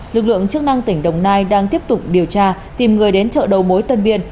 lực lượng chức năng tỉnh đồng nai đang tiếp tục điều tra tìm người đến chợ đầu mối tân biên